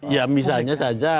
ya misalnya saja